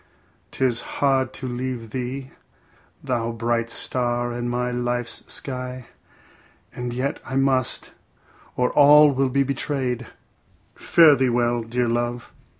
'Tis hard to leave thee, thou bright star in my life's sky, and yet I must, or all may be betrayed. Fare thee well, dear love.